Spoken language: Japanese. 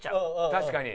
「確かに。